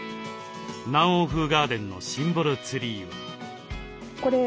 南欧風ガーデンのシンボルツリーは。